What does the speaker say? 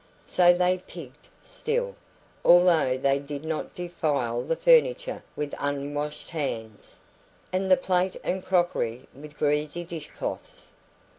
So they "pigged" still, although they did not defile the furniture with unwashed hands, and the plate and crockery with greasy dish cloths.